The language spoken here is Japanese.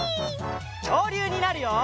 きょうりゅうになるよ！